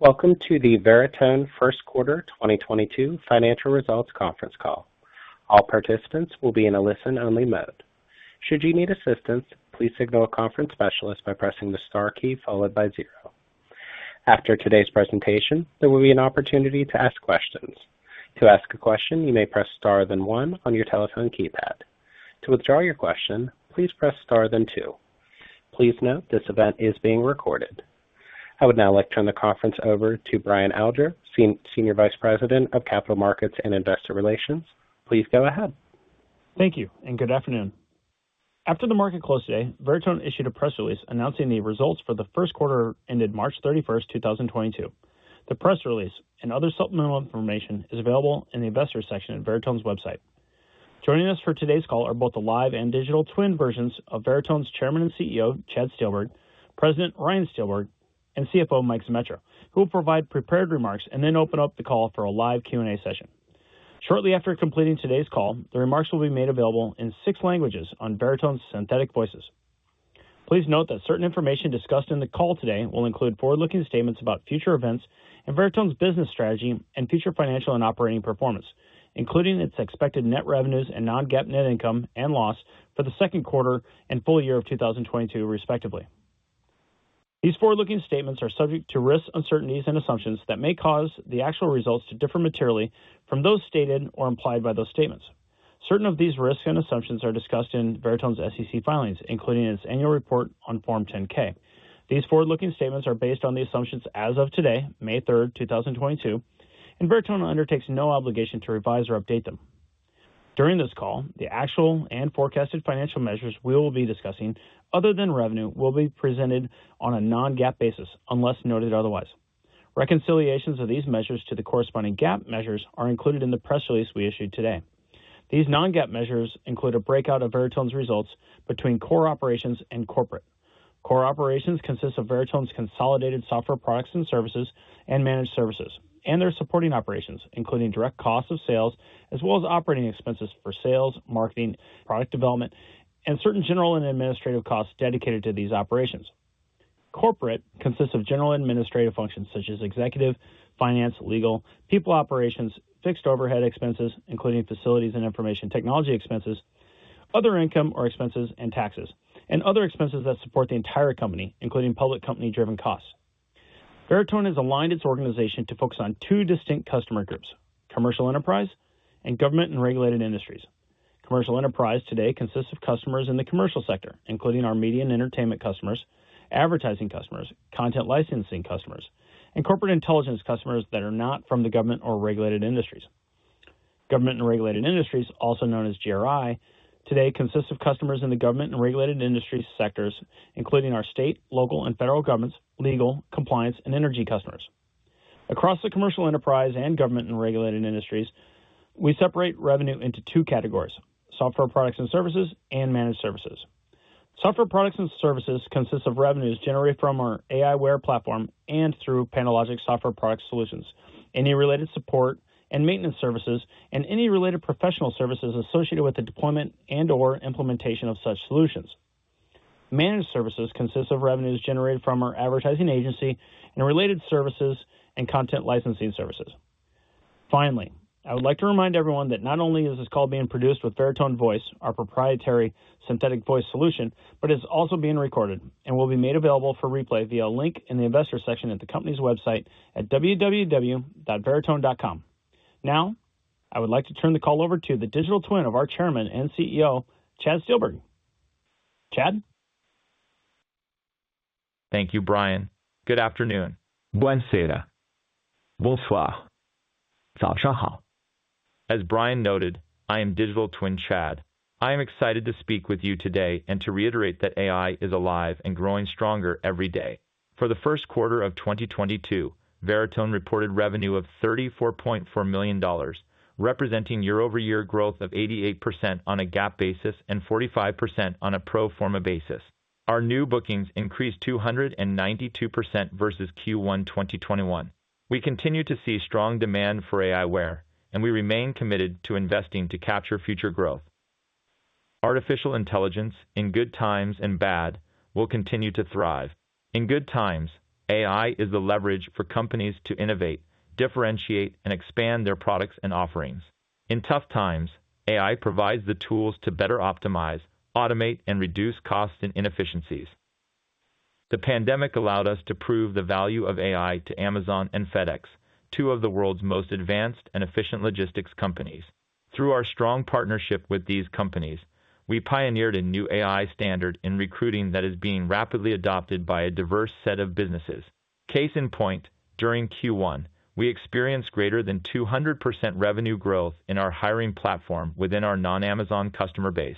Welcome to the Veritone first quarter 2022 financial results conference call. All participants will be in a listen-only mode. Should you need assistance, please signal a conference specialist by pressing the star key followed by zero. After today's presentation, there will be an opportunity to ask questions. To ask a question, you may press star then one on your telephone keypad. To withdraw your question, please press star then two. Please note this event is being recorded. I would now like to turn the conference over to Brian Alger, Senior Vice President of Capital Markets and Investor Relations. Please go ahead. Thank you and good afternoon. After the market closed today, Veritone issued a press release announcing the results for the first quarter ended March 31, 2022. The press release and other supplemental information is available in the Investors section at Veritone's website. Joining us for today's call are both the live and digital twin versions of Veritone's Chairman and CEO, Chad Steelberg, President Ryan Steelberg, and CFO Mike Zemetra, who will provide prepared remarks and then open up the call for a live Q&A session. Shortly after completing today's call, the remarks will be made available in six languages on Veritone's synthetic voices. Please note that certain information discussed in the call today will include forward-looking statements about future events and Veritone's business strategy and future financial and operating performance, including its expected net revenues and non-GAAP net income and loss for the second quarter and full year of 2022, respectively. These forward-looking statements are subject to risks, uncertainties and assumptions that may cause the actual results to differ materially from those stated or implied by those statements. Certain of these risks and assumptions are discussed in Veritone's SEC filings, including its annual report on Form 10-K. These forward-looking statements are based on the assumptions as of today, May 3rd, 2022, and Veritone undertakes no obligation to revise or update them. During this call, the actual and forecasted financial measures we will be discussing other than revenue will be presented on a non-GAAP basis unless noted otherwise. Reconciliations of these measures to the corresponding GAAP measures are included in the press release we issued today. These non-GAAP measures include a breakout of Veritone's results between core operations and corporate. Core operations consists of Veritone's consolidated software products and services and managed services, and their supporting operations, including direct costs of sales as well as operating expenses for sales, marketing, product development, and certain general and administrative costs dedicated to these operations. Corporate consists of general administrative functions such as executive, finance, legal, people operations, fixed overhead expenses, including facilities and information technology expenses, other income or expenses and taxes, and other expenses that support the entire company, including public company driven costs. Veritone has aligned its organization to focus on two distinct customer groups, commercial enterprise and government and regulated industries. Commercial enterprise today consists of customers in the commercial sector, including our media and entertainment customers, advertising customers, content licensing customers, and corporate intelligence customers that are not from the government or regulated industries. Government and regulated industries, also known as GRI, today consists of customers in the government and regulated industries sectors, including our state, local, and federal governments, legal, compliance, and energy customers. Across the commercial enterprise and government and regulated industries, we separate revenue into two categories: software, products and services and managed services. Software, products and services consists of revenues generated from our aiWARE platform and through PandoLogic software product solutions, any related support and maintenance services, and any related professional services associated with the deployment and/or implementation of such solutions. Managed services consists of revenues generated from our advertising agency and related services and content licensing services. Finally, I would like to remind everyone that not only is this call being produced with Veritone Voice, our proprietary synthetic voice solution, but it is also being recorded and will be made available for replay via a link in the investor section at the company's website at www.veritone.com. Now, I would like to turn the call over to the digital twin of our Chairman and CEO, Chad Steelberg. Chad. Thank you, Brian. Good afternoon. As Brian noted, I am digital twin Chad. I am excited to speak with you today and to reiterate that AI is alive and growing stronger every day. For the first quarter of 2022, Veritone reported revenue of $34.4 million, representing year-over-year growth of 88% on a GAAP basis and 45% on a pro forma basis. Our new bookings increased 292% versus Q1 2021. We continue to see strong demand for aiWARE, and we remain committed to investing to capture future growth. Artificial intelligence, in good times and bad, will continue to thrive. In good times, AI is the leverage for companies to innovate, differentiate, and expand their products and offerings. In tough times, AI provides the tools to better optimize, automate, and reduce costs and inefficiencies. The pandemic allowed us to prove the value of AI to Amazon and FedEx, two of the world's most advanced and efficient logistics companies. Through our strong partnership with these companies, we pioneered a new AI standard in recruiting that is being rapidly adopted by a diverse set of businesses. Case in point, during Q1, we experienced greater than 200% revenue growth in our hiring platform within our non-Amazon customer base.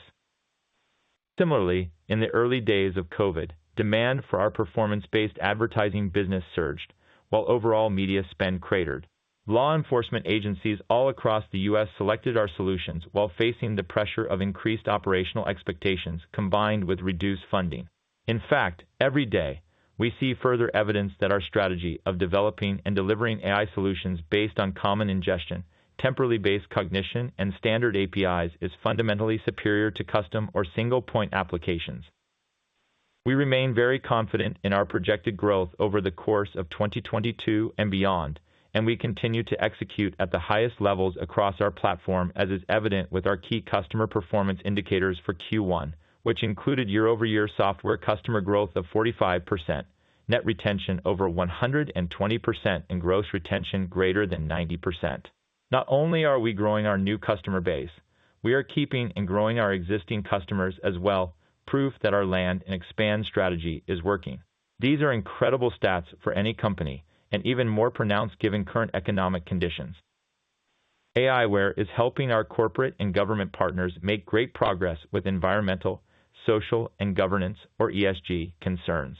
Similarly, in the early days of COVID, demand for our performance-based advertising business surged while overall media spend cratered. Law enforcement agencies all across the U.S. selected our solutions while facing the pressure of increased operational expectations combined with reduced funding. In fact, every day we see further evidence that our strategy of developing and delivering AI solutions based on common ingestion, temporally based cognition, and standard APIs is fundamentally superior to custom or single point applications. We remain very confident in our projected growth over the course of 2022 and beyond, and we continue to execute at the highest levels across our platform, as is evident with our key customer performance indicators for Q1, which included year-over-year software customer growth of 45%, net retention over 120%, and gross retention greater than 90%. Not only are we growing our new customer base, we are keeping and growing our existing customers as well, proof that our land and expand strategy is working. These are incredible stats for any company, and even more pronounced given current economic conditions. aiWARE is helping our corporate and government partners make great progress with environmental, social, and governance, or ESG, concerns.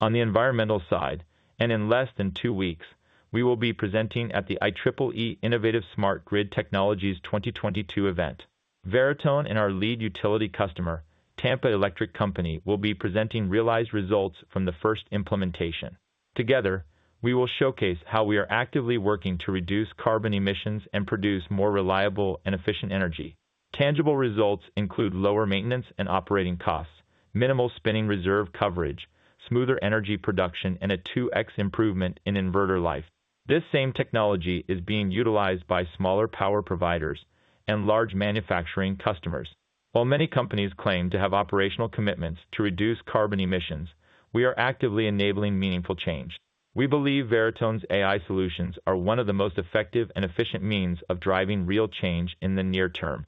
On the environmental side, in less than 2 weeks, we will be presenting at the IEEE Innovative Smart Grid Technologies event. Veritone and our lead utility customer, Tampa Electric Company, will be presenting realized results from the first implementation. Together, we will showcase how we are actively working to reduce carbon emissions and produce more reliable and efficient energy. Tangible results include lower maintenance and operating costs, minimal spinning reserve coverage, smoother energy production, and a 2x improvement in inverter life. This same technology is being utilized by smaller power providers and large manufacturing customers. While many companies claim to have operational commitments to reduce carbon emissions, we are actively enabling meaningful change. We believe Veritone's AI solutions are one of the most effective and efficient means of driving real change in the near term.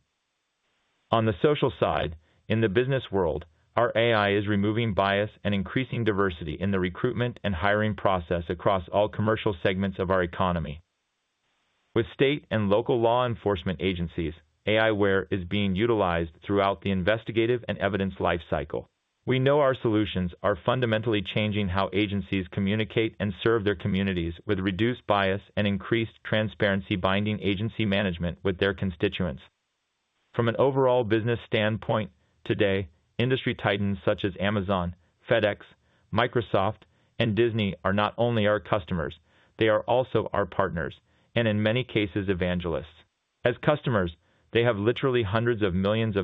On the social side, in the business world, our AI is removing bias and increasing diversity in the recruitment and hiring process across all commercial segments of our economy. With state and local law enforcement agencies, aiWARE is being utilized throughout the investigative and evidence life cycle. We know our solutions are fundamentally changing how agencies communicate and serve their communities with reduced bias and increased transparency binding agency management with their constituents. From an overall business standpoint today, industry titans such as Amazon, FedEx, Microsoft, and Disney are not only our customers, they are also our partners, and in many cases, evangelists. As customers, they have literally hundreds of millions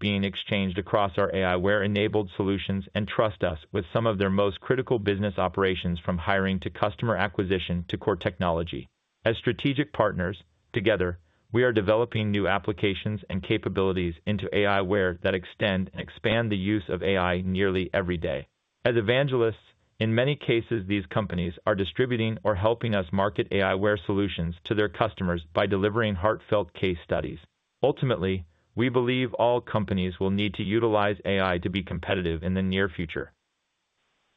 being exchanged across our aiWARE-enabled solutions and trust us with some of their most critical business operations from hiring to customer acquisition to core technology. As strategic partners, together, we are developing new applications and capabilities into aiWARE that extend and expand the use of AI nearly every day. As evangelists, in many cases, these companies are distributing or helping us market aiWARE solutions to their customers by delivering heartfelt case studies. Ultimately, we believe all companies will need to utilize AI to be competitive in the near future.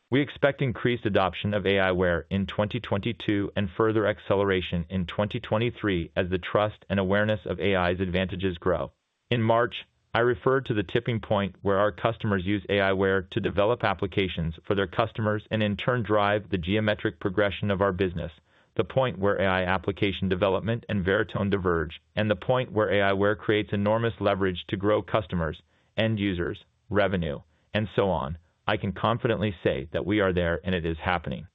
We expect increased adoption of aiWARE in 2022 and further acceleration in 2023 as the trust and awareness of AI's advantages grow. In March, I referred to the tipping point where our customers use aiWARE to develop applications for their customers and in turn drive the geometric progression of our business, the point where AI application development and Veritone diverge, and the point where aiWARE creates enormous leverage to grow customers, end users, revenue, and so on. I can confidently say that we are there, and it is happening.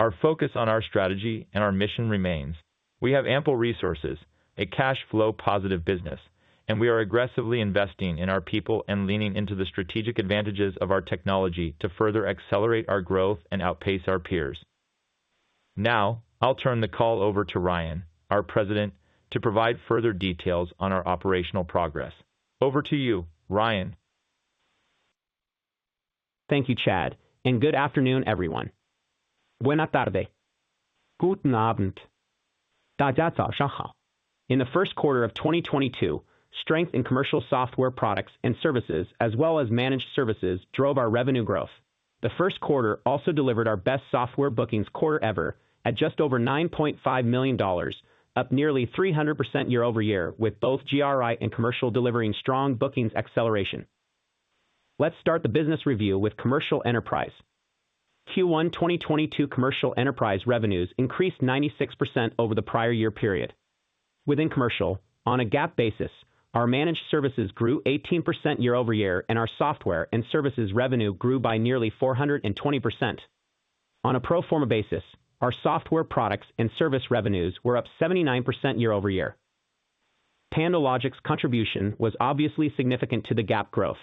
Our focus on our strategy and our mission remains. We have ample resources, a cash flow positive business, and we are aggressively investing in our people and leaning into the strategic advantages of our technology to further accelerate our growth and outpace our peers. Now, I'll turn the call over to Ryan, our President, to provide further details on our operational progress. Over to you, Ryan. Thank you, Chad, and good afternoon, everyone. In the first quarter of 2022, strength in commercial software products and services as well as managed services drove our revenue growth. The first quarter also delivered our best software bookings quarter ever at just over $9.5 million, up nearly 300% year-over-year with both GRI and commercial delivering strong bookings acceleration. Let's start the business review with commercial enterprise. Q1 2022 commercial enterprise revenues increased 96% over the prior year period. Within commercial, on a GAAP basis, our managed services grew 18% year-over-year and our software and services revenue grew by nearly 420%. On a pro forma basis, our software products and service revenues were up 79% year-over-year. PandoLogic's contribution was obviously significant to the GAAP growth.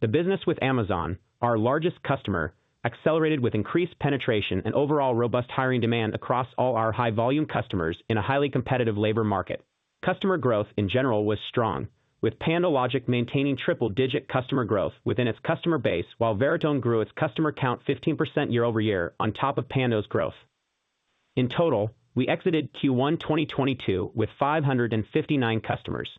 The business with Amazon, our largest customer, accelerated with increased penetration and overall robust hiring demand across all our high-volume customers in a highly competitive labor market. Customer growth in general was strong, with PandoLogic maintaining triple-digit customer growth within its customer base while Veritone grew its customer count 15% year-over-year on top of Pando's growth. In total, we exited Q1 2022 with 559 customers.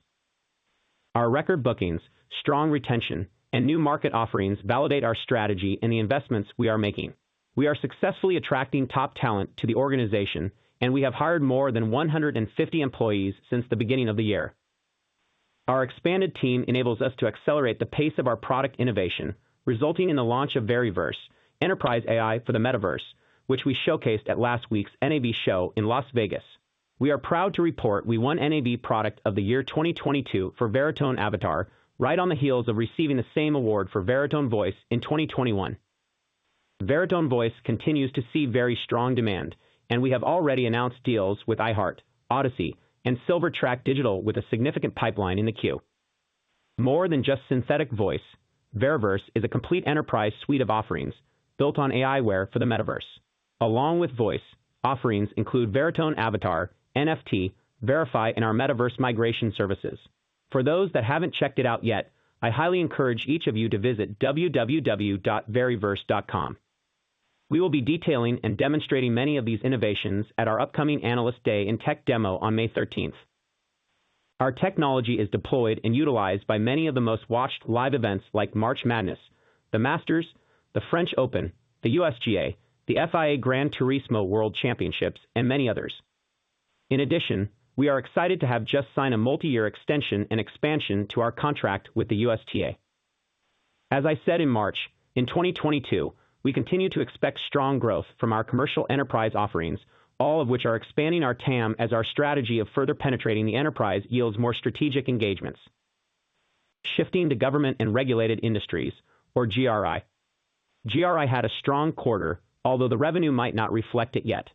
Our record bookings, strong retention, and new market offerings validate our strategy and the investments we are making. We are successfully attracting top talent to the organization, and we have hired more than 150 employees since the beginning of the year. Our expanded team enables us to accelerate the pace of our product innovation, resulting in the launch of Veriverse, enterprise AI for the metaverse, which we showcased at last week's NAB show in Las Vegas. We are proud to report we won NAB Product of the Year for Veritone Avatar right on the heels of receiving the same award for Veritone Voice in 2021. Veritone Voice continues to see very strong demand, and we have already announced deals with iHeart, Audacy, and Silverback Digital with a significant pipeline in the queue. More than just synthetic voice, Veriverse is a complete enterprise suite of offerings built on aiWARE for the metaverse. Along with voice, offerings include Veritone Avatar, NFT, Veritone Verify, and our Veritone Metaverse Migration Services. For those that haven't checked it out yet, I highly encourage each of you to visit www.veriverse.com. We will be detailing and demonstrating many of these innovations at our upcoming Analyst Day and Tech Demo on May 13th. Our technology is deployed and utilized by many of the most watched live events like March Madness, the Masters, the French Open, the USGA, the FIA Gran Turismo World Series, and many others. In addition, we are excited to have just signed a multi-year extension and expansion to our contract with the USTA. As I said in March, in 2022, we continue to expect strong growth from our commercial enterprise offerings, all of which are expanding our TAM as our strategy of further penetrating the enterprise yields more strategic engagements. Shifting to government and regulated industries or GRI. GRI had a strong quarter, although the revenue might not reflect it yet.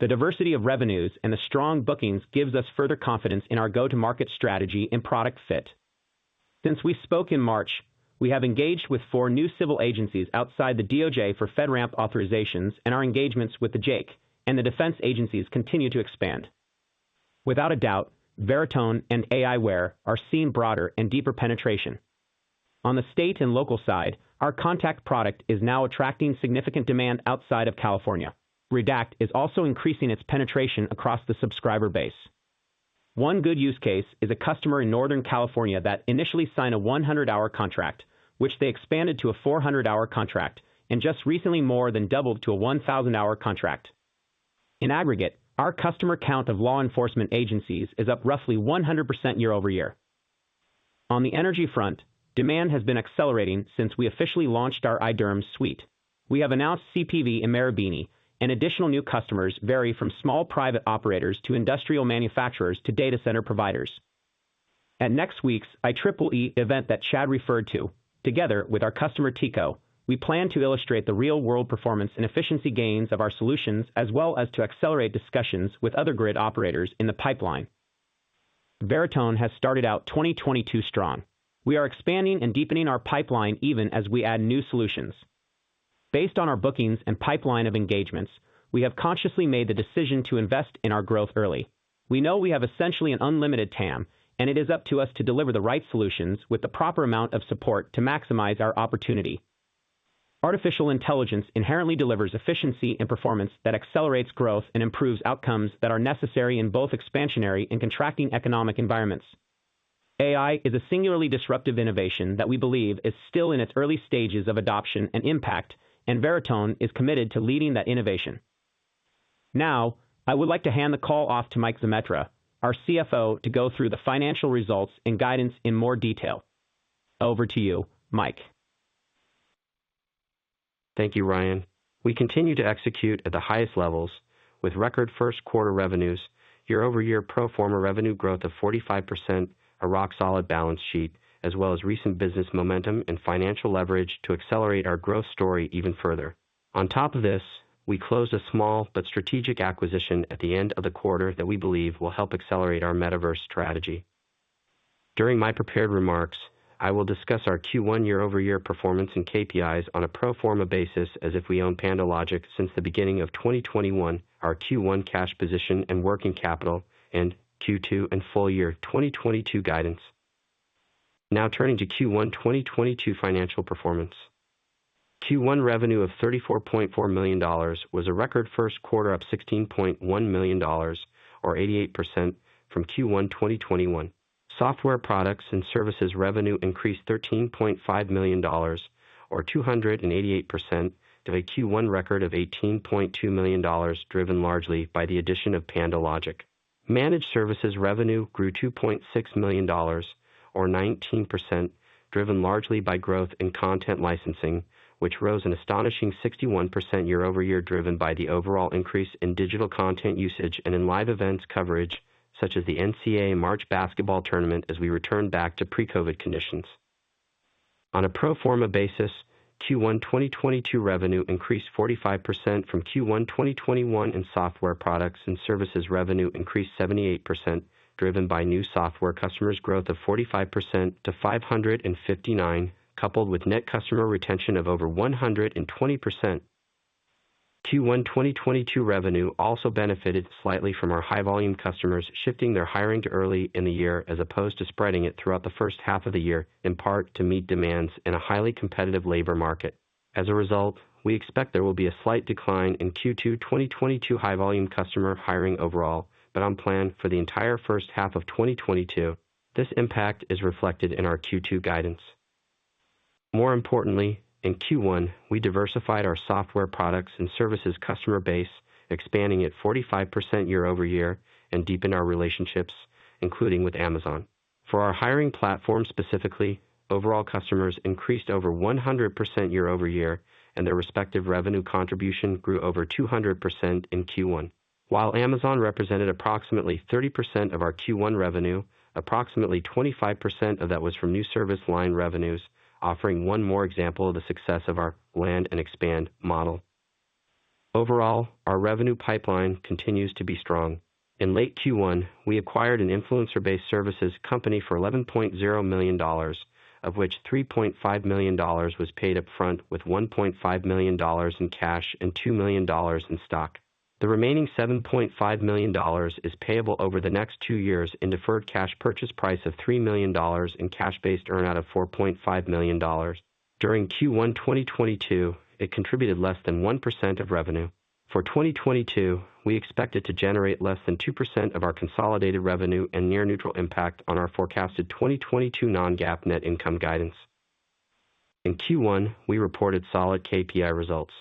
The diversity of revenues and the strong bookings gives us further confidence in our go-to-market strategy and product fit. Since we spoke in March, we have engaged with 4 new civil agencies outside the DOJ for FedRAMP authorizations and our engagements with the JAIC and the defense agencies continue to expand. Without a doubt, Veritone and aiWARE are seeing broader and deeper penetration. On the state and local side, our Contact product is now attracting significant demand outside of California. Redact is also increasing its penetration across the subscriber base. One good use case is a customer in Northern California that initially signed a 100-hour contract, which they expanded to a 400-hour contract, and just recently more than doubled to a 1,000-hour contract. In aggregate, our customer count of law enforcement agencies is up roughly 100% year-over-year. On the energy front, demand has been accelerating since we officially launched our iDERMS suite. We have announced CPV and Marubeni and additional new customers vary from small private operators to industrial manufacturers to data center providers. At next week's IEEE event that Chad referred to, together with our customer TECO, we plan to illustrate the real-world performance and efficiency gains of our solutions, as well as to accelerate discussions with other grid operators in the pipeline. Veritone has started out 2022 strong. We are expanding and deepening our pipeline even as we add new solutions. Based on our bookings and pipeline of engagements, we have consciously made the decision to invest in our growth early. We know we have essentially an unlimited TAM, and it is up to us to deliver the right solutions with the proper amount of support to maximize our opportunity. Artificial intelligence inherently delivers efficiency and performance that accelerates growth and improves outcomes that are necessary in both expansionary and contracting economic environments. AI is a singularly disruptive innovation that we believe is still in its early stages of adoption and impact, and Veritone is committed to leading that innovation. Now, I would like to hand the call off to Mike Zemetra, our CFO, to go through the financial results and guidance in more detail. Over to you, Mike. Thank you, Ryan. We continue to execute at the highest levels with record first quarter revenues, year-over-year pro forma revenue growth of 45%, a rock-solid balance sheet, as well as recent business momentum and financial leverage to accelerate our growth story even further. On top of this, we closed a small but strategic acquisition at the end of the quarter that we believe will help accelerate our metaverse strategy. During my prepared remarks, I will discuss our Q1 year-over-year performance and KPIs on a pro forma basis as if we own PandoLogic since the beginning of 2021, our Q1 cash position and working capital and Q2 and full year 2022 guidance. Now turning to Q1 2022 financial performance. Q1 revenue of $34.4 million was a record first quarter up $16.1 million or 88% from Q1 2021. Software products and services revenue increased $13.5 million or 288% to a Q1 record of $18.2 million driven largely by the addition of PandoLogic. Managed services revenue grew $2.6 million or 19%, driven largely by growth in content licensing, which rose an astonishing 61% year-over-year, driven by the overall increase in digital content usage and in live events coverage such as the NCAA March Madness as we return back to pre-COVID conditions. On a pro forma basis, Q1 2022 revenue increased 45% from Q1 2021, and software products and services revenue increased 78%, driven by new software customers growth of 45% to 559, coupled with net customer retention of over 120%. Q1 2022 revenue also benefited slightly from our high volume customers shifting their hiring to early in the year as opposed to spreading it throughout the first half of the year, in part to meet demands in a highly competitive labor market. As a result, we expect there will be a slight decline in Q2 2022 high volume customer hiring overall, but on plan for the entire first half of 2022. This impact is reflected in our Q2 guidance. More importantly, in Q1, we diversified our software products and services customer base, expanding it 45% year-over-year, and deepened our relationships, including with Amazon. For our hiring platform specifically, overall customers increased over 100% year-over-year, and their respective revenue contribution grew over 200% in Q1. While Amazon represented approximately 30% of our Q1 revenue, approximately 25% of that was from new service line revenues, offering one more example of the success of our land and expand model. Overall, our revenue pipeline continues to be strong. In late Q1, we acquired an influencer-based services company for $11.0 million, of which $3.5 million was paid up front with $1.5 million in cash and $2 million in stock. The remaining $7.5 million is payable over the next two years in deferred cash purchase price of $3 million in cash-based earn-out of $4.5 million. During Q1 2022, it contributed less than 1% of revenue. For 2022, we expect it to generate less than 2% of our consolidated revenue and near neutral impact on our forecasted 2022 non-GAAP net income guidance. In Q1, we reported solid KPI results.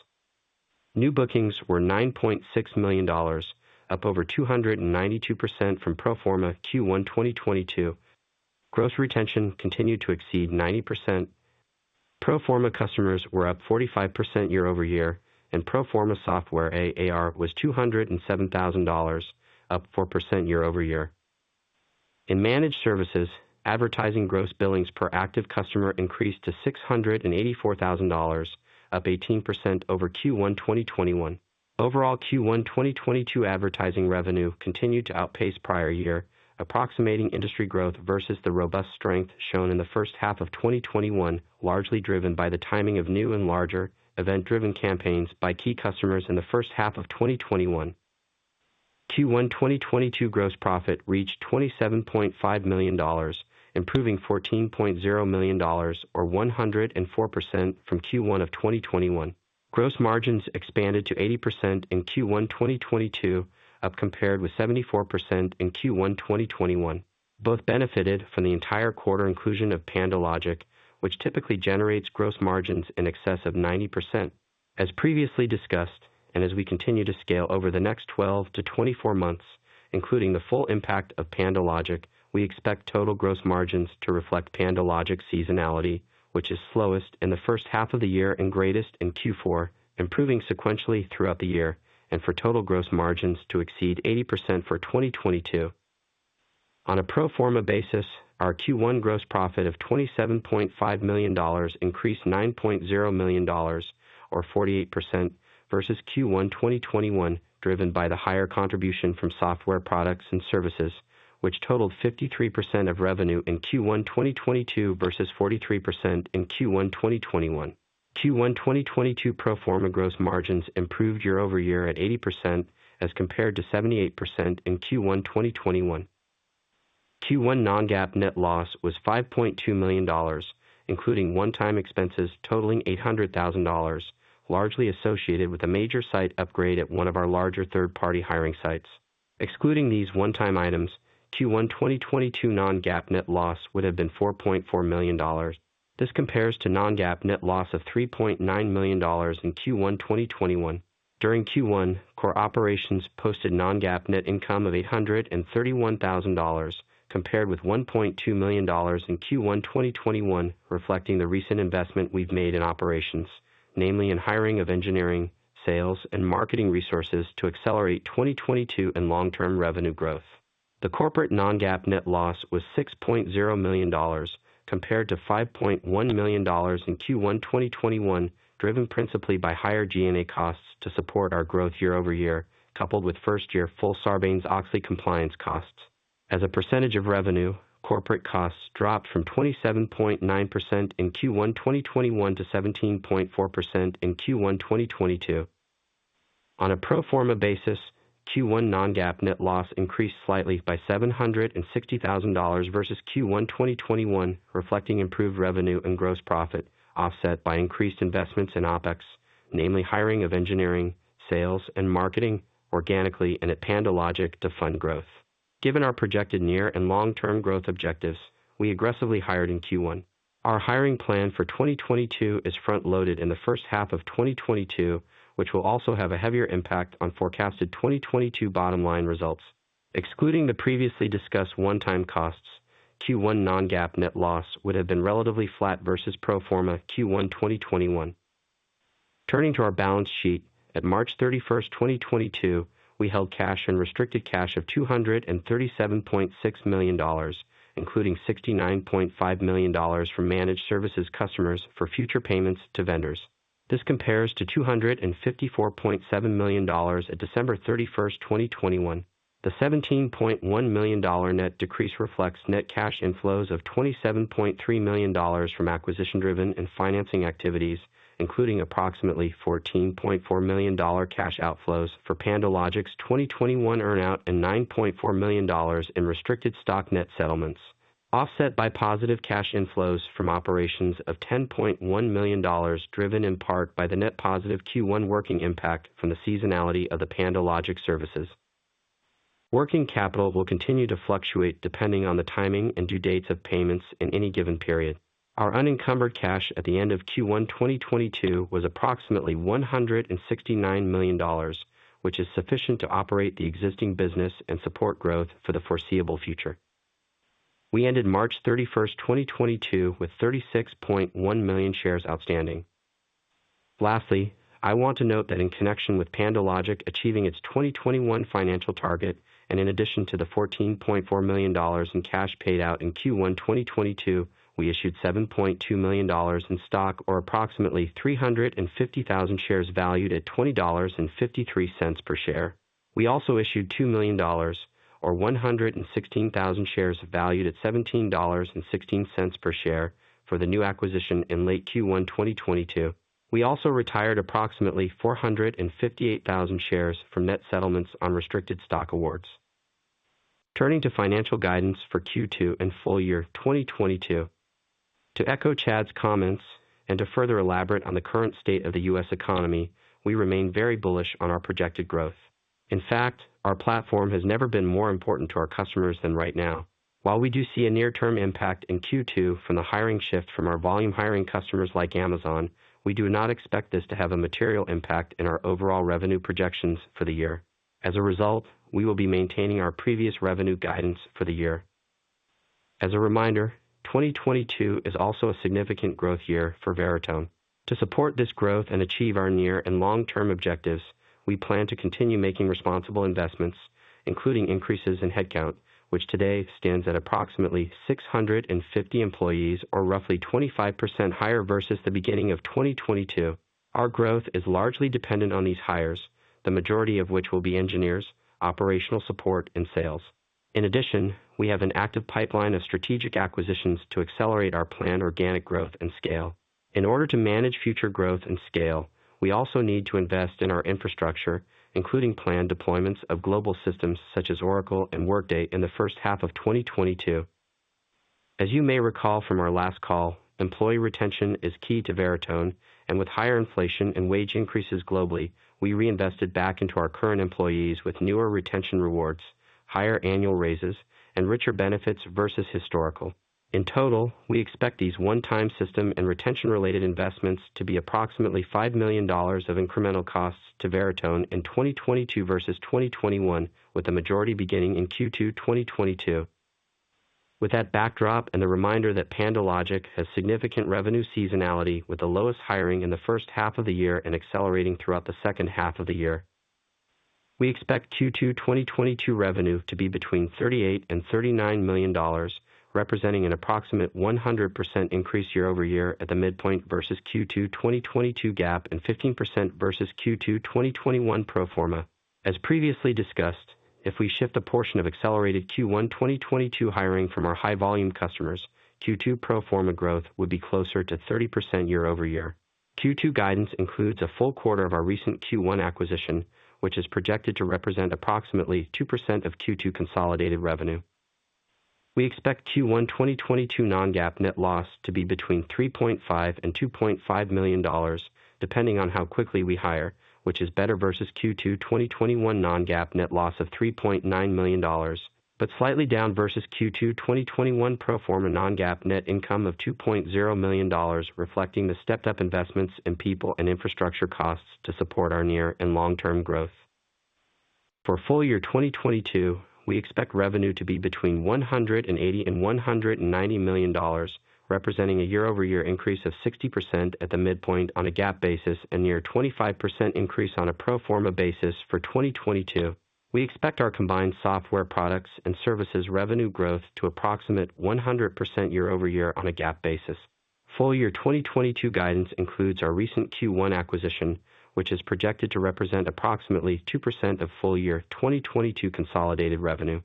New bookings were $9.6 million, up over 292% from pro forma Q1 2022. Gross retention continued to exceed 90%. Pro forma customers were up 45% year over year, and pro forma software AAR was $207,000, up 4% year over year. In managed services, advertising gross billings per active customer increased to $684,000, up 18% over Q1 2021. Overall, Q1 2022 advertising revenue continued to outpace prior year, approximating industry growth versus the robust strength shown in the first half of 2021, largely driven by the timing of new and larger event-driven campaigns by key customers in the first half of 2021. Q1 2022 gross profit reached $27.5 million, improving $14.0 million or 104% from Q1 of 2021. Gross margins expanded to 80% in Q1 2022 up compared with 74% in Q1 2021. Both benefited from the entire quarter inclusion of PandoLogic, which typically generates gross margins in excess of 90%. As previously discussed, as we continue to scale over the next 12-24 months, including the full impact of PandoLogic, we expect total gross margins to reflect PandoLogic seasonality, which is slowest in the first half of the year and greatest in Q4, improving sequentially throughout the year, and for total gross margins to exceed 80% for 2022. On a pro forma basis, our Q1 gross profit of $27.5 million increased $9.0 million or 48% versus Q1 2021, driven by the higher contribution from software products and services, which totaled 53% of revenue in Q1 2022 versus 43% in Q1 2021. Q1 2022 pro forma gross margins improved year-over-year at 80% as compared to 78% in Q1 2021. Q1 non-GAAP net loss was $5.2 million, including one-time expenses totaling $800,000, largely associated with a major site upgrade at one of our larger third-party hiring sites. Excluding these one-time items, Q1 2022 non-GAAP net loss would have been $4.4 million. This compares to non-GAAP net loss of $3.9 million in Q1 2021. During Q1, core operations posted non-GAAP net income of $831,000, compared with $1.2 million in Q1 2021, reflecting the recent investment we've made in operations, namely in hiring of engineering, sales, and marketing resources to accelerate 2022 and long-term revenue growth. The corporate non-GAAP net loss was $6.0 million, compared to $5.1 million in Q1 2021, driven principally by higher G&A costs to support our growth year-over-year, coupled with first-year full Sarbanes-Oxley compliance costs. As a percentage of revenue, corporate costs dropped from 27.9% in Q1 2021 to 17.4% in Q1 2022. On a pro forma basis, Q1 non-GAAP net loss increased slightly by $760 thousand versus Q1 2021, reflecting improved revenue and gross profit, offset by increased investments in OpEx, namely hiring of engineering, sales, and marketing organically and at PandoLogic to fund growth. Given our projected near and long-term growth objectives, we aggressively hired in Q1. Our hiring plan for 2022 is front-loaded in the first half of 2022, which will also have a heavier impact on forecasted 2022 bottom-line results. Excluding the previously discussed one-time costs, Q1 non-GAAP net loss would have been relatively flat versus pro forma Q1 2021. Turning to our balance sheet, at March 31, 2022, we held cash and restricted cash of $237.6 million, including $69.5 million from managed services customers for future payments to vendors. This compares to $254.7 million at December 31, 2021. The $17.1 million net decrease reflects net cash inflows of $27.3 million from acquisition-driven and financing activities, including approximately $14.4 million cash outflows for PandoLogic's 2021 earn-out and $9.4 million in restricted stock net settlements, offset by positive cash inflows from operations of $10.1 million driven in part by the net positive Q1 working impact from the seasonality of the PandoLogic services. Working capital will continue to fluctuate depending on the timing and due dates of payments in any given period. Our unencumbered cash at the end of Q1 2022 was approximately $169 million, which is sufficient to operate the existing business and support growth for the foreseeable future. We ended March 31, 2022, with 36.1 million shares outstanding. Lastly, I want to note that in connection with PandoLogic achieving its 2021 financial target, and in addition to the $14.4 million in cash paid out in Q1 2022, we issued $7.2 million in stock, or approximately 350,000 shares valued at $20.53 per share. We also issued $2 million or 116,000 shares valued at $17.16 per share for the new acquisition in late Q1 2022. We also retired approximately 458,000 shares from net settlements on restricted stock awards. Turning to financial guidance for Q2 and full year 2022. To echo Chad's comments and to further elaborate on the current state of the U.S. economy, we remain very bullish on our projected growth. In fact, our platform has never been more important to our customers than right now. While we do see a near-term impact in Q2 from the hiring shift from our volume hiring customers like Amazon, we do not expect this to have a material impact in our overall revenue projections for the year. As a result, we will be maintaining our previous revenue guidance for the year. As a reminder, 2022 is also a significant growth year for Veritone. To support this growth and achieve our near and long-term objectives, we plan to continue making responsible investments, including increases in headcount, which today stands at approximately 650 employees or roughly 25% higher versus the beginning of 2022. Our growth is largely dependent on these hires, the majority of which will be engineers, operational support, and sales. In addition, we have an active pipeline of strategic acquisitions to accelerate our planned organic growth and scale. In order to manage future growth and scale, we also need to invest in our infrastructure, including planned deployments of global systems such as Oracle and Workday in the first half of 2022. As you may recall from our last call, employee retention is key to Veritone, and with higher inflation and wage increases globally, we reinvested back into our current employees with newer retention rewards, higher annual raises, and richer benefits versus historical. In total, we expect these one-time system and retention-related investments to be approximately $5 million of incremental costs to Veritone in 2022 versus 2021, with the majority beginning in Q2 2022. With that backdrop and the reminder that PandoLogic has significant revenue seasonality with the lowest hiring in the first half of the year and accelerating throughout the second half of the year. We expect Q2 2022 revenue to be between $38 million and $39 million, representing an approximate 100% increase year-over-year at the midpoint versus Q2 2022 GAAP and 15% versus Q2 2021 pro forma. As previously discussed, if we shift a portion of accelerated Q1 2022 hiring from our high volume customers, Q2 pro forma growth would be closer to 30% year-over-year. Q2 guidance includes a full quarter of our recent Q1 acquisition, which is projected to represent approximately 2% of Q2 consolidated revenue. We expect Q1 2022 non-GAAP net loss to be between $3.5 million and $2.5 million, depending on how quickly we hire, which is better versus Q2 2021 non-GAAP net loss of $3.9 million, but slightly down versus Q2 2021 pro forma non-GAAP net income of $2.0 million, reflecting the stepped up investments in people and infrastructure costs to support our near and long-term growth. For full year 2022, we expect revenue to be between $180 million and $190 million, representing a year-over-year increase of 60% at the midpoint on a GAAP basis and near 25% increase on a pro forma basis for 2022. We expect our combined software products and services revenue growth to approximate 100% year-over-year on a GAAP basis. Full-year 2022 guidance includes our recent Q1 acquisition, which is projected to represent approximately 2% of full-year 2022 consolidated revenue.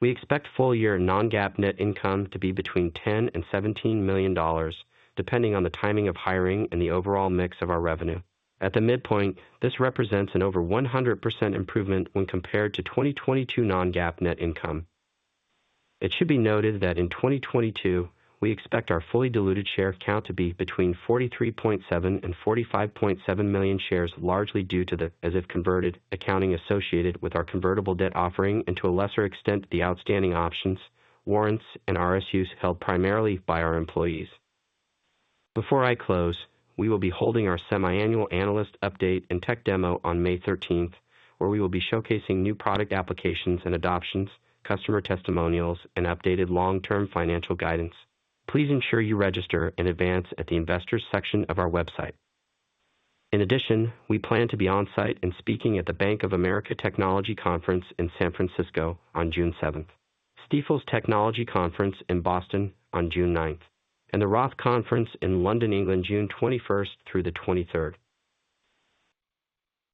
We expect full-year non-GAAP net income to be between $10 million and $17 million, depending on the timing of hiring and the overall mix of our revenue. At the midpoint, this represents an over 100% improvement when compared to 2022 non-GAAP net income. It should be noted that in 2022, we expect our fully diluted share count to be between 43.7 and 45.7 million shares, largely due to the as if converted accounting associated with our convertible debt offering and to a lesser extent, the outstanding options, warrants, and RSUs held primarily by our employees. Before I close, we will be holding our semi-annual analyst update and tech demo on May 13th, where we will be showcasing new product applications and adoptions, customer testimonials, and updated long-term financial guidance. Please ensure you register in advance at the investors section of our website. In addition, we plan to be on-site and speaking at the Bank of America Global Technology Conference in San Francisco on June 7th, Stifel's Technology Conference in Boston on June 9th, and the Roth London Conference in London, England, June 21st through the 23rd.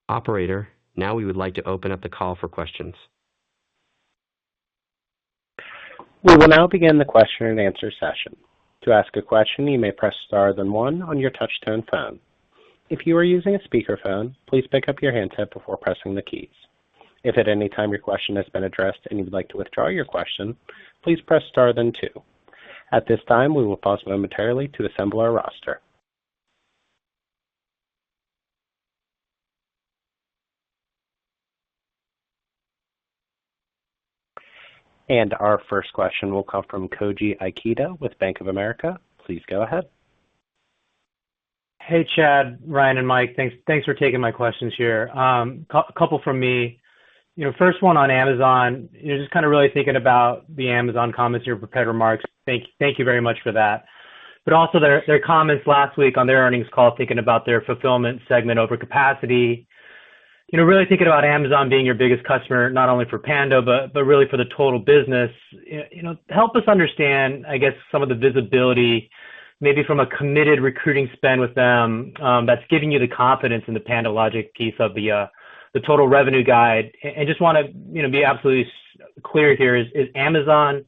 Operator, now we would like to open up the call for questions. We will now begin the question and answer session. To ask a question, you may press star then one on your touch-tone phone. If you are using a speakerphone, please pick up your handset before pressing the keys. If at any time your question has been addressed and you'd like to withdraw your question, please press star then two. At this time, we will pause momentarily to assemble our roster. Our first question will come from Koji Ikeda with Bank of America. Please go ahead. Hey, Chad, Ryan, and Mike. Thanks for taking my questions here. A couple from me. You know, first one on Amazon, you know, just kind of really thinking about the Amazon comments, your prepared remarks. Thank you very much for that. But also their comments last week on their earnings call, thinking about their fulfillment segment over capacity. You know, really thinking about Amazon being your biggest customer, not only for Pando, but really for the total business. You know, help us understand, I guess, some of the visibility. Maybe from a committed recruiting spend with them, that's giving you the confidence in the PandoLogic piece of the total revenue guide. Just want to, you know, be absolutely clear here. Is Amazon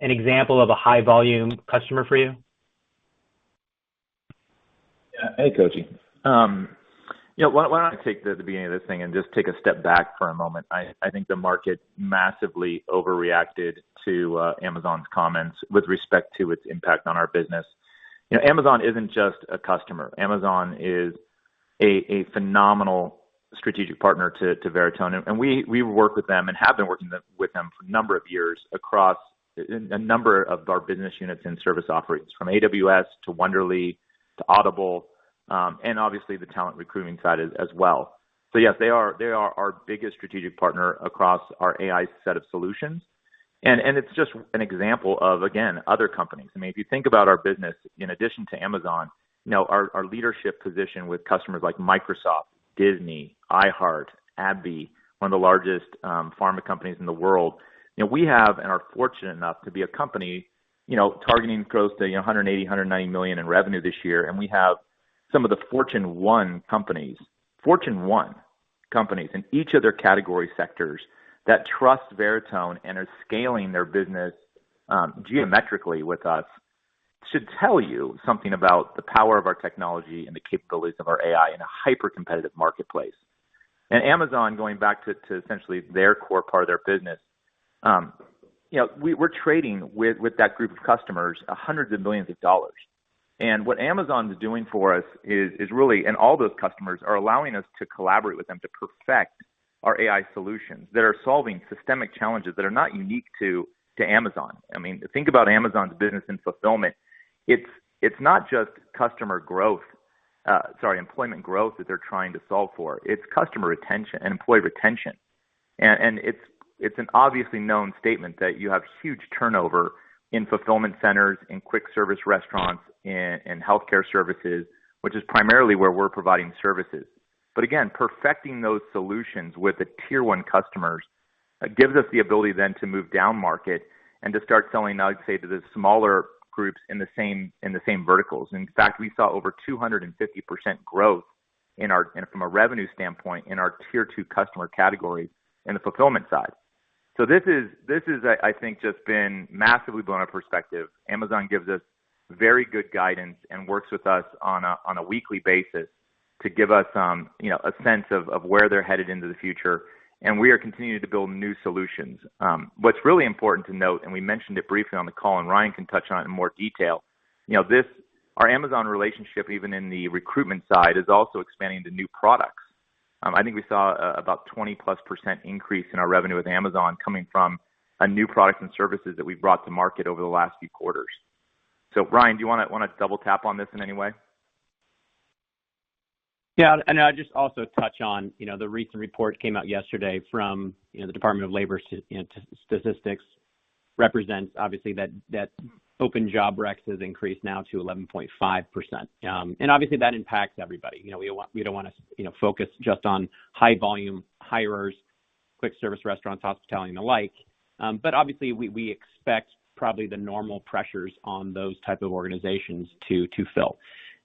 an example of a high volume customer for you? Yeah. Hey, Koji. Yeah, why don't I take the beginning of this thing and just take a step back for a moment. I think the market massively overreacted to Amazon's comments with respect to its impact on our business. You know, Amazon isn't just a customer. Amazon is a phenomenal strategic partner to Veritone. We work with them and have been working with them for a number of years across a number of our business units and service offerings, from AWS to Wondery to Audible, and obviously the talent recruiting side as well. Yes, they are our biggest strategic partner across our AI set of solutions. It's just an example of, again, other companies. I mean, if you think about our business in addition to Amazon, you know, our leadership position with customers like Microsoft, Disney, iHeart, AbbVie, one of the largest pharma companies in the world. You know, we have and are fortunate enough to be a company, you know, targeting growth to $180-$190 million in revenue this year. We have some of the Fortune 100 companies in each of their category sectors that trust Veritone and are scaling their business geometrically with us. That should tell you something about the power of our technology and the capabilities of our AI in a hyper-competitive marketplace. Amazon, going back to essentially their core part of their business, you know, we're trading with that group of customers hundreds of millions of dollars. What Amazon's doing for us is really and all those customers are allowing us to collaborate with them to perfect our AI solutions that are solving systemic challenges that are not unique to Amazon. I mean, think about Amazon's business in fulfillment. It's not just employment growth that they're trying to solve for. It's customer retention and employee retention. It's an obviously known statement that you have huge turnover in fulfillment centers, in quick service restaurants, in healthcare services, which is primarily where we're providing services. Again, perfecting those solutions with the tier one customers gives us the ability then to move down market and to start selling, I'd say, to the smaller groups in the same verticals. In fact, we saw over 250% growth from a revenue standpoint in our tier two customer categories in the fulfillment side. This is, I think, just a massively blown-up perspective. Amazon gives us very good guidance and works with us on a weekly basis to give us, you know, a sense of where they're headed into the future, and we are continuing to build new solutions. What's really important to note, and we mentioned it briefly on the call, and Ryan can touch on it in more detail. You know, this, our Amazon relationship, even in the recruitment side, is also expanding to new products. I think we saw about 20+% increase in our revenue with Amazon coming from new products and services that we've brought to market over the last few quarters. Ryan, do you wann to double tap on this in any way? Yeah. I'll just also touch on, you know, the recent report came out yesterday from, you know, the Department of Labor Statistics that represents obviously that open job reqs has increased now to 11.5%. Obviously that impacts everybody. You know, we don't want to, you know, focus just on high volume hirers, quick service restaurants, hospitality and the like. Obviously we expect probably the normal pressures on those type of organizations to fill.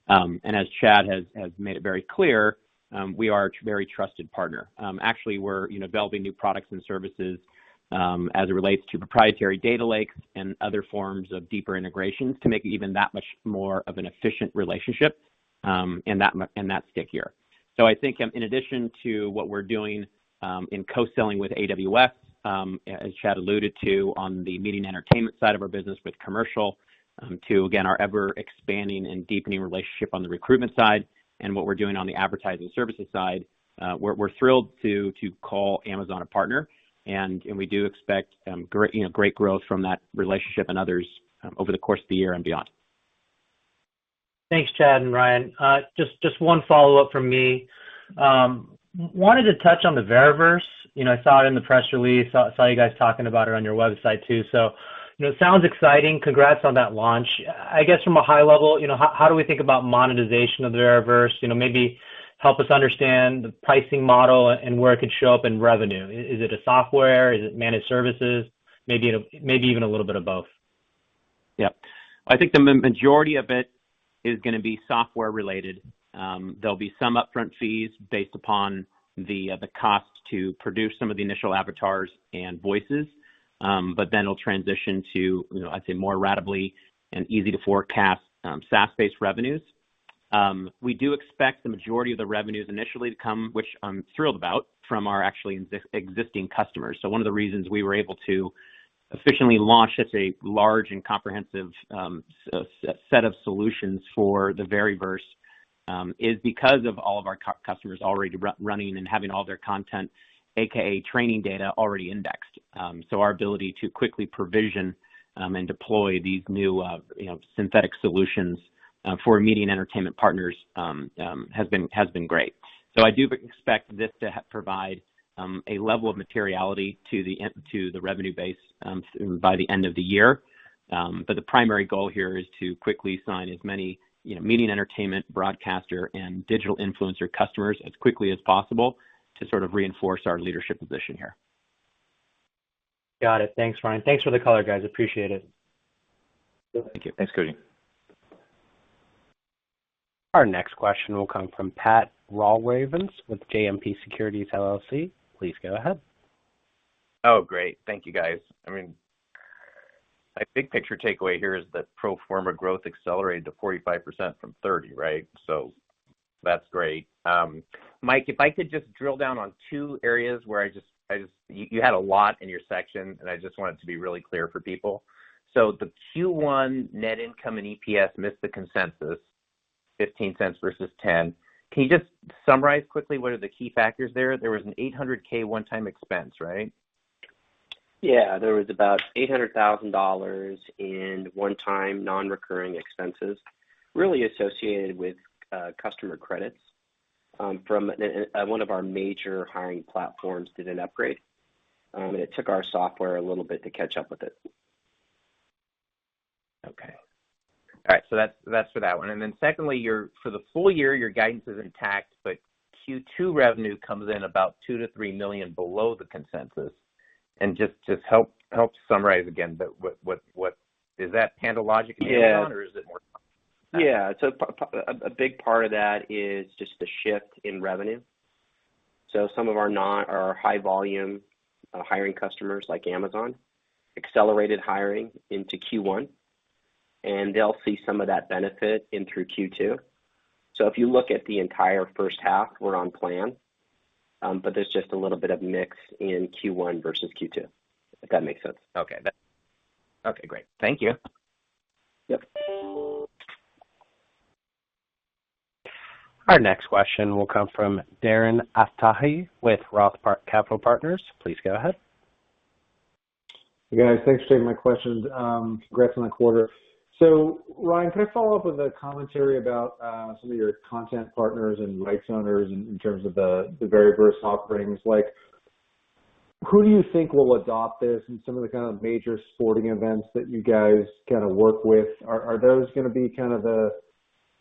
As Chad has made it very clear, we are a very trusted partner. Actually we're developing new products and services, as it relates to proprietary data lakes and other forms of deeper integrations to make even that much more of an efficient relationship, and that stickier. I think, in addition to what we're doing, in co-selling with AWS, as Chad alluded to on the media and entertainment side of our business with commercial, to again, our ever-expanding and deepening relationship on the recruitment side and what we're doing on the advertising services side, we're thrilled to call Amazon a partner, and we do expect, great, you know, great growth from that relationship and others, over the course of the year and beyond. Thanks, Chad and Ryan. Just one follow-up from me. Wanted to touch on the Veriverse. You know, I saw it in the press release. I saw you guys talking about it on your website too. You know, it sounds exciting. Congrats on that launch. I guess from a high level, you know, how do we think about monetization of the Veriverse? You know, maybe help us understand the pricing model and where it could show up in revenue. Is it a software? Is it managed services? Maybe even a little bit of both. Yeah, I think the majority of it is gonna be software related. There'll be some upfront fees based upon the cost to produce some of the initial avatars and voices. It'll transition to, you know, I'd say more ratably and easy to forecast SaaS-based revenues. We do expect the majority of the revenues initially to come, which I'm thrilled about, from our actually existing customers. One of the reasons we were able to efficiently launch such a large and comprehensive set of solutions for the Veriverse is because of all of our customers already running and having all their content, aka training data, already indexed. Our ability to quickly provision and deploy these new synthetic solutions for media and entertainment partners has been great. I do expect this to provide a level of materiality to the revenue base by the end of the year. The primary goal here is to quickly sign as many, you know, media and entertainment broadcaster and digital influencer customers as quickly as possible to sort of reinforce our leadership position here. Got it. Thanks, Ryan. Thanks for the color, guys. Appreciate it. Thank you. Thanks, Koji Ikeda. Our next question will come from Patrick Walravens with JMP Securities LLC. Please go ahead. Oh, great. Thank you, guys. I mean, my big picture takeaway here is that pro forma growth accelerated to 45% from 30%, right? That's great. Mike, if I could just drill down on two areas where you had a lot in your section, and I just want it to be really clear for people. The Q1 net income and EPS missed the consensus $0.15 versus $0.10. Can you just summarize quickly what are the key factors there? There was an $800K one-time expense, right? Yeah. There was about $800,000 in one-time non-recurring expenses really associated with customer credits from one of our major hiring platforms did an upgrade. It took our software a little bit to catch up with it. That's for that one. Secondly, your guidance for the full year is intact, but Q2 revenue comes in about $2 million-$3 million below the consensus. Just help summarize again that what is that PandoLogic or is it more? A big part of that is just the shift in revenue. Some of our high volume hiring customers, like Amazon, accelerated hiring into Q1, and they'll see some of that benefit into Q2. If you look at the entire first half, we're on plan. There's just a little bit of mix in Q1 versus Q2, if that makes sense. Okay. Okay, great. Thank you. Yep. Our next question will come from Darren Aftahi with ROTH Capital Partners. Please go ahead. Hey, guys. Thanks for taking my questions. Congrats on the quarter. Ryan, can I follow up with a commentary about some of your content partners and rights owners in terms of the Veriverse offerings? Like, who do you think will adopt this and some of the kind of major sporting events that you guys kind a work with, those gonna be kind of the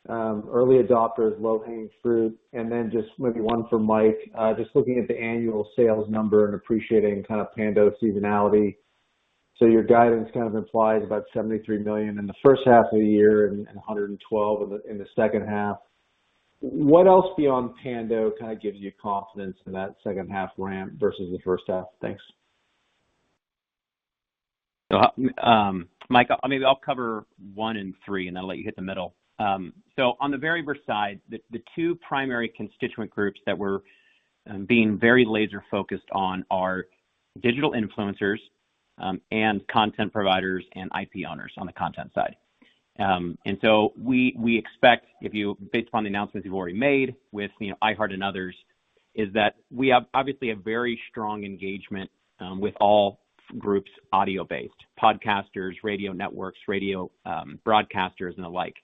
early adopters, low-hanging fruit? Just maybe one for Mike, just looking at the annual sales number and appreciating kind of Pando seasonality. Your guidance kind of implies about $73 million in the first half of the year and $112 million in the second half. What else beyond Pando kind of gives you confidence in that second half ramp versus the first half? Thanks. Mike, I mean, I'll cover one and three, and I'll let you hit the middle. On the Veritone side, the two primary constituent groups that we're being very laser focused on are digital influencers and content providers and IP owners on the content side. We expect based upon the announcements you've already made with, you know, iHeart and others, that we have obviously a very strong engagement with all audio-based groups, podcasters, radio networks, radio broadcasters and the like.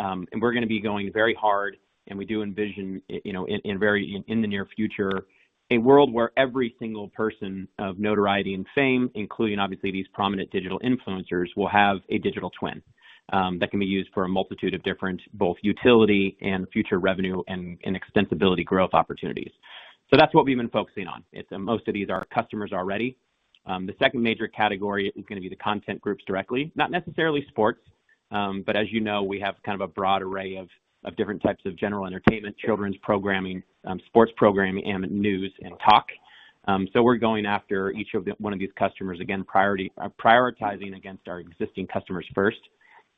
We're gonna be going very hard, and we do envision, you know, in the near future, a world where every single person of notoriety and fame, including obviously these prominent digital influencers, will have a digital twin that can be used for a multitude of different, both utility and future revenue and extensibility growth opportunities. That's what we've been focusing on. Most of these are customers already. The second major category is gonna be the content groups directly, not necessarily sports. As you know, we have kind of a broad array of different types of general entertainment, children's programming, sports programming, and news and talk. We're going after one of these customers, again, prioritizing against our existing customers first.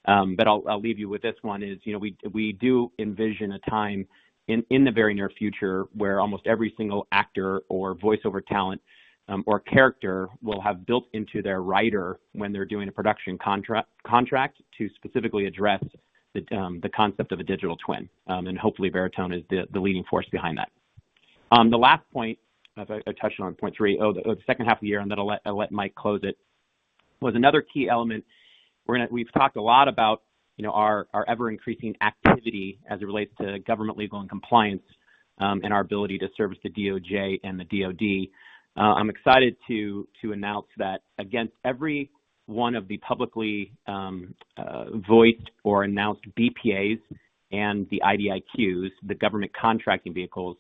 I'll leave you with this one is, you know, we do envision a time in the very near future where almost every single actor or voiceover talent or character will have built into their rider when they're doing a production contract to specifically address the concept of a digital twin. Hopefully Veritone is the leading force behind that. The last point as I touched on point 3.0, the second half of the year, and then I'll let Mike close it, was another key element. We've talked a lot about, you know, our ever-increasing activity as it relates to government legal and compliance, and our ability to service the DOJ and the DoD. I'm excited to announce that against every one of the publicly voiced or announced BPAs and the IDIQs, the government contracting vehicles,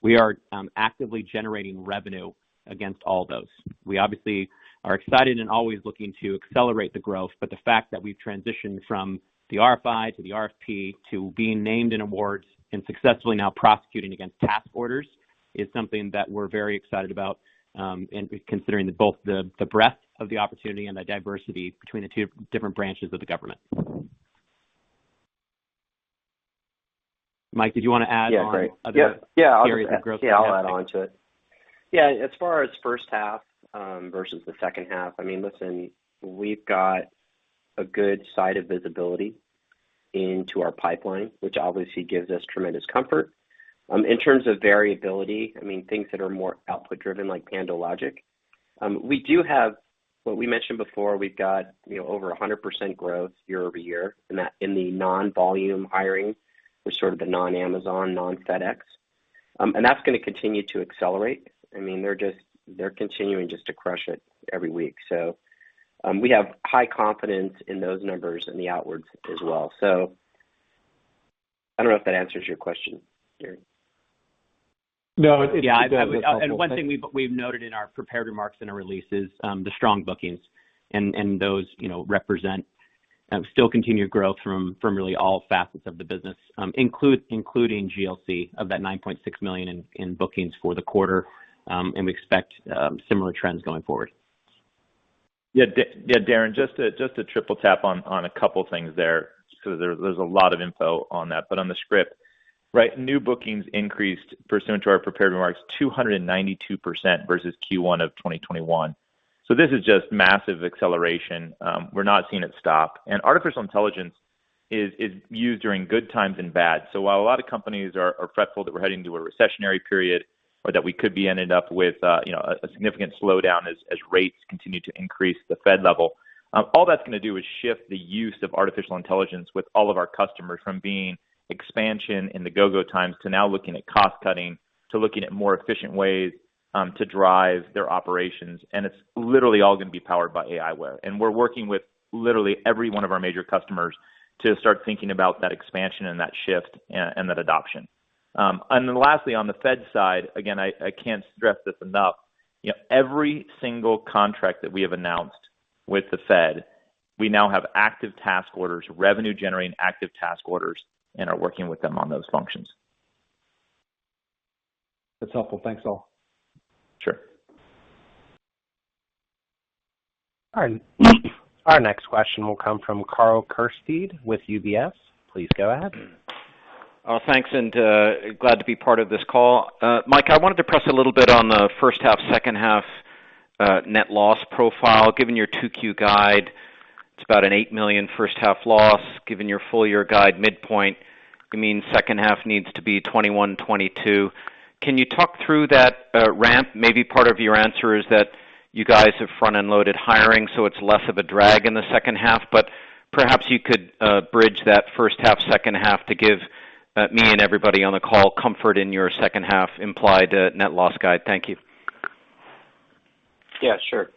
we are actively generating revenue against all those. We obviously are excited and always looking to accelerate the growth, but the fact that we've transitioned from the RFI to the RFP to being named in awards and successfully now prosecuting against task orders is something that we're very excited about, and considering both the breadth of the opportunity and the diversity between the two different branches of the government. Mike, did you want to add on other areas of growth? I'll add on to it. As far as first half versus the second half, I mean, listen, we've got a good line of sight into our pipeline, which obviously gives us tremendous comfort. In terms of variability, I mean, things that are more output driven, like PandoLogic. We do have what we mentioned before, we've got, you know, over 100% growth year-over-year in that in the non-volume hiring for sort of the non-Amazon, non-FedEx. And that's gonna continue to accelerate. I mean, they're just continuing to crush it every week. We have high confidence in those numbers and the outlooks as well. I don't know if that answers your question, Darren. No, it does. Yeah. One thing we've noted in our prepared remarks in our release is the strong bookings and those, you know, represent still continued growth from really all facets of the business, including GLC of that $9.6 million in bookings for the quarter. We expect similar trends going forward. Yeah, yeah, Darren, just to triple tap on a couple things there because there's a lot of info on that. On the script, right, new bookings increased pursuant to our prepared remarks, 292% versus Q1 of 2021. This is just massive acceleration. We're not seeing it stop. Artificial intelligence is used during good times and bad. While a lot of companies are fretful that we're heading into a recessionary period or that we could be ending up with you know a significant slowdown as rates continue to increase the Fed level, all that's gonna do is shift the use of artificial intelligence with all of our customers from being expansion in the go-go times to now looking at cost cutting, to looking at more efficient ways to drive their operations. It's literally all gonna be powered by aiWARE. We're working with literally every one of our major customers to start thinking about that expansion and that shift and that adoption. Lastly, on the Fed side, again, I can't stress this enough, you know, every single contract that we have announced with the Fed, we now have active task orders, revenue generating active task orders, and are working with them on those functions. That's helpful. Thanks all. Sure. All right. Our next question will come from Karl Keirstead with UBS. Please go ahead. Oh, thanks, glad to be part of this call. Mike, I wanted to press a little bit on the first half, second half net loss profile. Given your 2Q guide, it's about an $8 million first half loss. Given your full year guide midpoint, it means second half needs to be $21 million-$22 million. Can you talk through that ramp? Maybe part of your answer is that you guys have front-end loaded hiring, so it's less of a drag in the second half. Perhaps you could bridge that first half, second half to give me and everybody on the call comfort in your second half implied net loss guide. Thank you. Yeah, sure.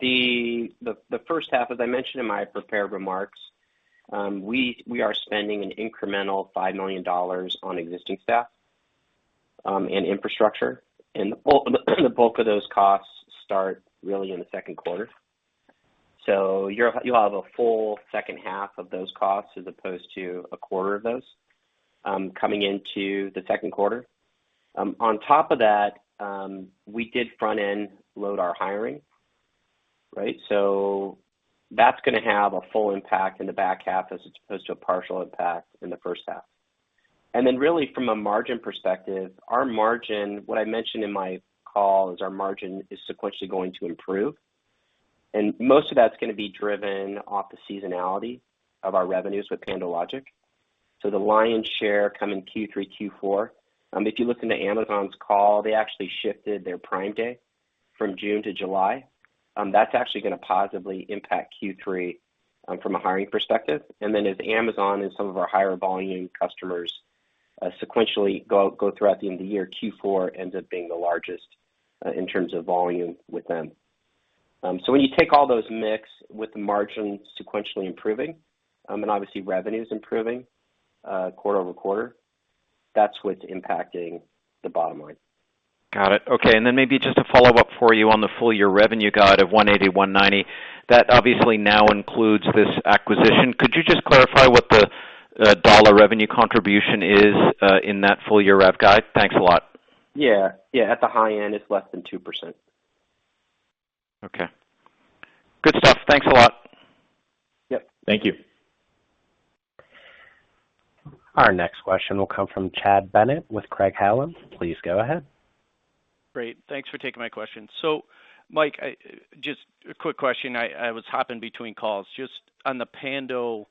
The first half, as I mentioned in my prepared remarks, we are spending an incremental $5 million on existing staff and infrastructure. The bulk of those costs start really in the second quarter. You're going to have a full second half of those costs as opposed to a quarter of those coming into the second quarter. On top of that, we did front-end load our hiring, right? That's gonna have a full impact in the back half as opposed to a partial impact in the first half. Then really from a margin perspective, our margin, what I mentioned in my call, is sequentially going to improve. Most of that's gonna be driven off the seasonality of our revenues with PandoLogic. The lion's share come in Q3, Q4. If you listen to Amazon's call, they actually shifted their Prime Day from June to July. That's actually gonna positively impact Q3, from a hiring perspective. As Amazon and some of our higher volume customers, sequentially go throughout the end of the year, Q4 ends up being the largest, in terms of volume with them. When you take all those mix with the margin sequentially improving, and obviously revenue is improving, quarter-over-quarter, that's what's impacting the bottom line. Got it. Okay. Maybe just a follow-up for you on the full year revenue guide of $180-$190. That obviously now includes this acquisition. Could you just clarify what the dollar revenue contribution is in that full year rev guide? Thanks a lot. Yeah. At the high end, it's less than 2%. Okay. Good stuff. Thanks a lot. Yep. Thank you. Our next question will come from Chad Bennett with Craig-Hallum. Please go ahead. Great. Thanks for taking my question. Mike, just a quick question. I was hopping between calls. Just on the Pando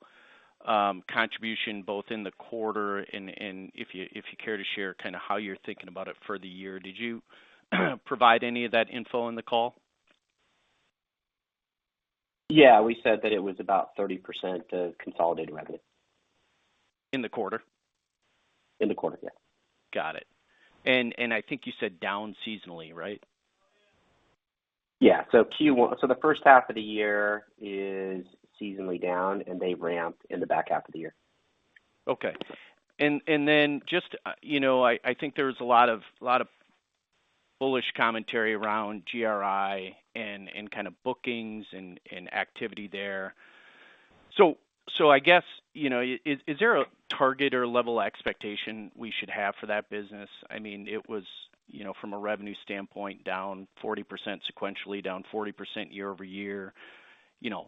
contribution, both in the quarter and if you care to share kind on how you're thinking about it for the year. Did you provide any of that info on the call? Yeah. We said that it was about 30% of consolidated revenue. In the quarter? In the quarter, yeah. Got it. I think you said down seasonally, right? The first half of the year is seasonally down, and they ramp in the back half of the year. Okay. Just, you know, I think there was a lot of bullish commentary around GRI and kind of bookings and activity there. I guess, you know, is there a target or level expectation we should have for that business? I mean, it was, you know, from a revenue standpoint, down 40% sequentially, down 40% year-over-year. You know,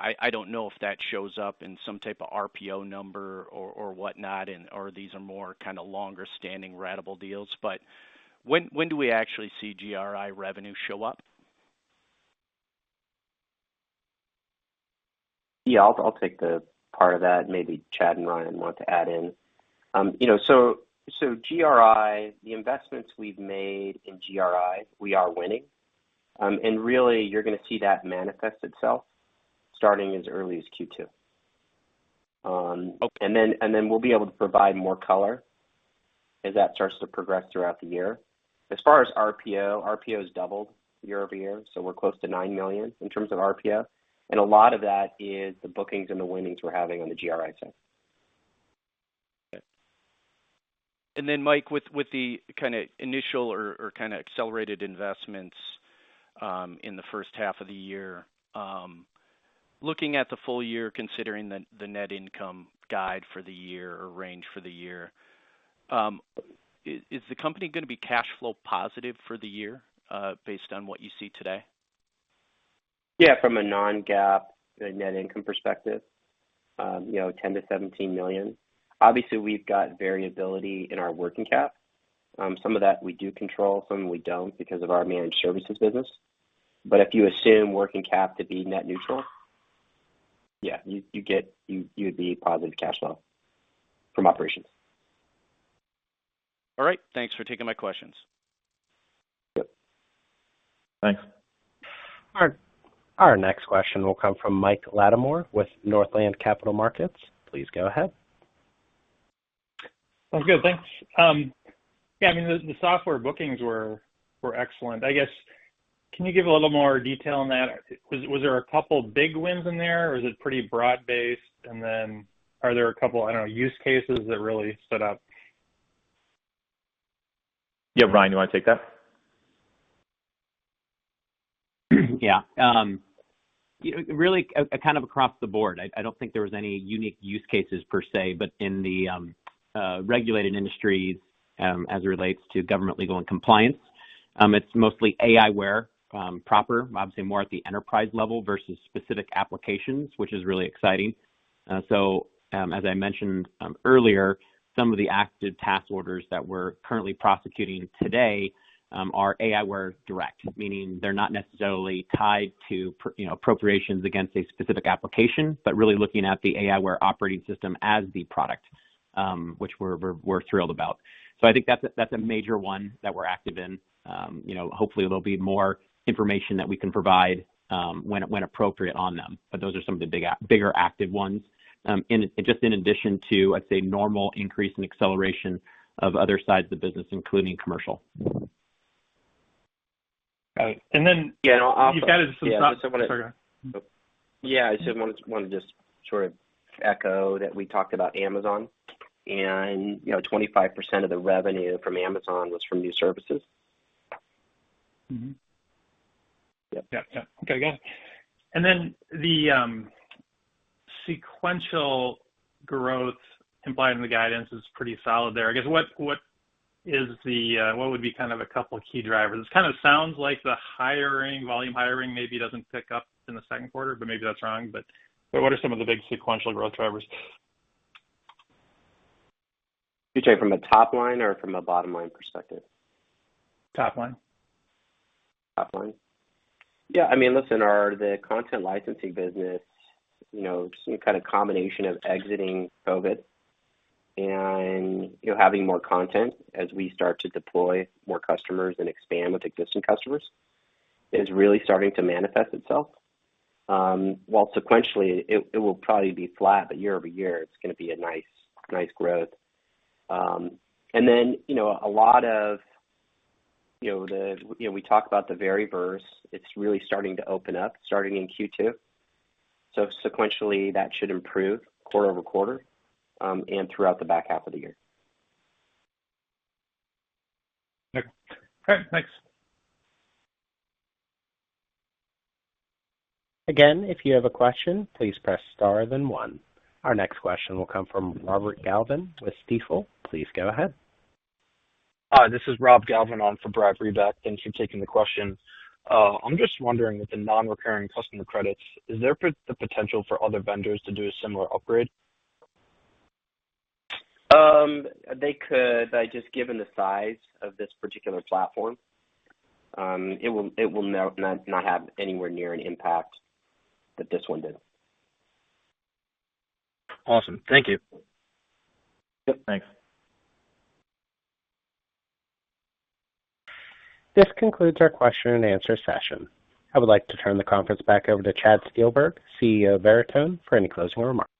I don't know if that shows up in some type of RPO number or what not or these are more kind of longer standing ratable deals. When do we actually see GRI revenue show up? Yeah. I'll take the part of that, maybe Chad and Ryan want to add in. You know, so GRI, the investments we've made in GRI, we are winning. Really you're gonna see that manifest itself starting as early as Q2. Okay. We'll be able to provide more color as that starts to progress throughout the year. As far as RPO has doubled year-over-year, so we're close to $9 million in terms of RPO. A lot of that is the bookings and the wins we're having on the GRI side. Okay. Mike, with the kind a initial or kind a accelerated investments in the first half of the year, looking at the full year considering the net income guide for the year or range for the year, is the company gonna be cash flow positive for the year, based on what you see today? Yeah. From a non-GAAP net income perspective, $10 million-$17 million. Obviously, we've got variability in our working cap. Some of that we do control, some we don't because of our managed services business. If you assume working cap to be net neutral, you would be positive cash flow from operations. All right. Thanks for taking my questions. Yep. Thanks. Our next question will come from Mike Latimore with Northland Capital Markets. Please go ahead. Sounds good. Thanks. Yeah, I mean, the software bookings were excellent. I guess, can you give a little more detail on that? Was there a couple big wins in there, or is it pretty broad-based? Are there a couple, I don't know, use cases that really stood out? Yeah. Ryan, you want to take that? Yeah. You know, really kind of across the board. I don't think there was any unique use cases per se, but in the regulated industry, as it relates to government legal and compliance, it's mostly aiWARE proper, obviously more at the enterprise level versus specific applications, which is really exciting. As I mentioned earlier, some of the active task orders that we're currently prosecuting today are aiWARE direct. Meaning they're not necessarily tied to you know, appropriations against a specific application, but really looking at the aiWARE operating system as the product, which we're thrilled about. I think that's a major one that we're active in. You know, hopefully there'll be more information that we can provide when appropriate on them. Those are some of the bigger active ones. Just in addition to, I'd say, normal increase in acceleration of other sides of the business, including commercial. Got it. Yeah, no, I'll. You've guided some- Yeah. What I Yeah. I just wanted to just sort of echo that we talked about Amazon and, you know, 25% of the revenue from Amazon was from new services. Mm-hmm. Yep. Yep, yep. Okay, go ahead. The sequential growth implied in the guidance is pretty solid there. I guess what would be kind of a couple of key drivers? It kind a sounds like the hiring, volume hiring maybe doesn't pick up in the second quarter, but maybe that's wrong. What are some of the big sequential growth drivers? You're talking from a top line or from a bottom line perspective? Top line. Top line. Yeah. I mean, listen, the content licensing business, you know, some kind of combination of exiting COVID and, you know, having more content as we start to deploy more customers and expand with existing customers is really starting to manifest itself. While sequentially it will probably be flat, but year-over-year it's gonna be a nice growth. And then, you know, a lot of, you know, we talk about the Veriverse, it's really starting to open up starting in Q2. So sequentially that should improve quarter-over-quarter, and throughout the back half of the year. Okay. All right. Thanks. Again, if you have a question, please press star then one. Our next question will come from Robert Galvin with Stifel. Please go ahead. Hi, this is Robert Galvin on for Brad Reback. Thanks for taking the question. I'm just wondering with the non-recurring customer credits, is there the potential for other vendors to do a similar upgrade? They could, but just given the size of this particular platform, it will not have anywhere near an impact that this one did. Awesome. Thank you. Yep. Thanks. This concludes our question and answer session. I would like to turn the conference back over to Chad Steelberg, CEO of Veritone, for any closing remarks.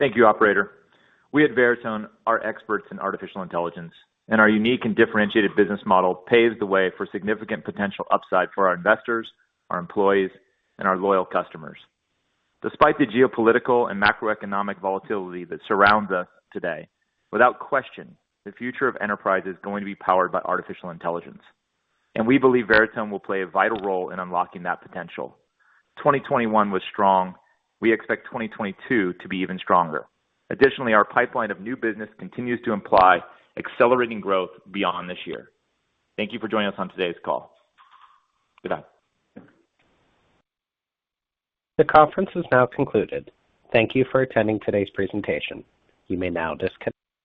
Thank you, operator. We at Veritone are experts in artificial intelligence, and our unique and differentiated business model paves the way for significant potential upside for our investors, our employees, and our loyal customers. Despite the geopolitical and macroeconomic volatility that surrounds us today, without question, the future of enterprise is going to be powered by artificial intelligence, and we believe Veritone will play a vital role in unlocking that potential. 2021 was strong. We expect 2022 to be even stronger. Additionally, our pipeline of new business continues to imply accelerating growth beyond this year. Thank you for joining us on today's call. Goodbye. The conference is now concluded. Thank you for attending today's presentation. You may now disconnect.